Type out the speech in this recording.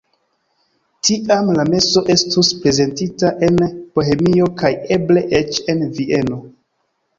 Tiam la meso estus prezentita en Bohemio kaj eble eĉ en Vieno.